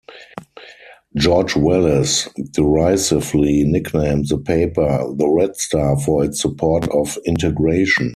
George Wallace derisively nicknamed the paper "The Red Star" for its support of integration.